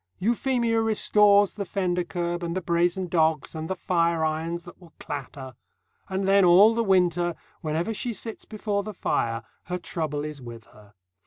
Euphemia restores the fender kerb and the brazen dogs and the fireirons that will clatter; and then all the winter, whenever she sits before the fire, her trouble is with her.